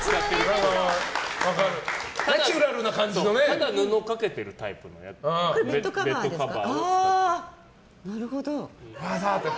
ただ布かけてるタイプのやつのベッドカバー使ってる。